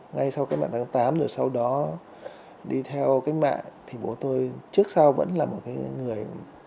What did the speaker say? ngay sau cách mạng tháng tám rồi sau đó đi theo cách mạng thì bố tôi trước sau vẫn là một người